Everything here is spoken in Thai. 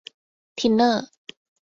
ทินเนอร์